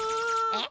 えっ？